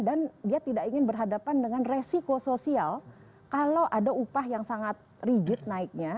dan dia tidak ingin berhadapan dengan resiko sosial kalau ada upah yang sangat rigid naiknya